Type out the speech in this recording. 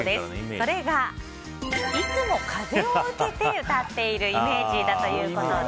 それがいつも風を受けて歌っているイメージだということで。